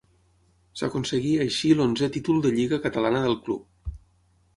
S'aconseguia així l'onzè títol de Lliga Catalana del club.